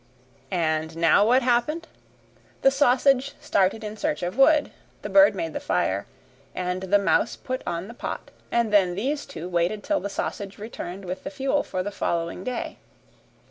And now what happened? The sausage started in search of wood, the bird made the fire, and the mouse put on the pot, and then these two waited till the sausage returned with the fuel for the following day.